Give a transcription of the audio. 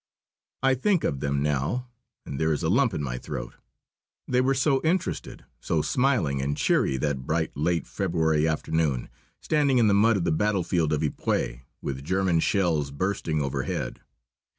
I think of them now, and there is a lump in my throat. They were so interested, so smiling and cheery, that bright late February afternoon, standing in the mud of the battlefield of Ypres, with German shells bursting overhead.